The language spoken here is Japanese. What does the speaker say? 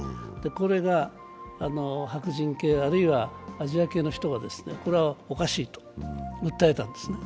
これが白人系、あるいはアジア系の人たちがこれはおかしいと訴えたんですね。